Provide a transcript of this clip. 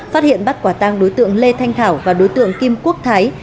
phát hiện bắt quả tang đối tượng lê thanh thảo và đối tượng kim quốc thái